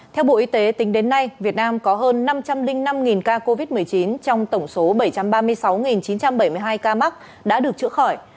theo bộ y tế tính đến nay việt nam có hơn năm trăm linh năm ca covid một mươi chín trong tổng số bảy trăm ba mươi sáu chín trăm bảy mươi hai ca mắc đã được chữa khỏi